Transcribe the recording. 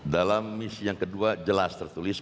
dalam misi yang kedua jelas tertulis